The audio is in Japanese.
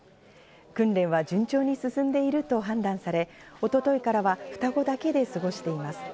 訓練は順調に進んでいると判断され、一昨日からは双子だけで過ごしています。